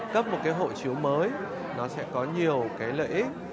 cấp một cái hộ chiếu mới nó sẽ có nhiều cái lợi ích